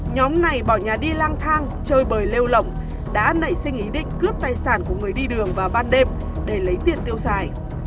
nhóm này bỏ nhà đi lang thang chơi bời lêu lỏng đã nảy sinh ý định cướp tài sản của người đi đường vào ban đêm để lấy tiền tiêu xài